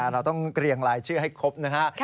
เราต้องเกรียงลายชื่อให้ครบนะฮะ